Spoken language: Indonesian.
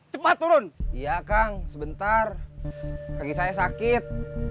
cepat turun iya kang sebentar kaki saya sakit